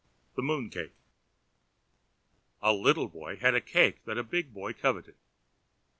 The Moon Cake A little boy had a cake that a big boy coveted.